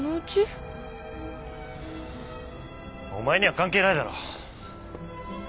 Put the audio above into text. お前には関係ないだろ！